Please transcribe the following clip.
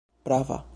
prava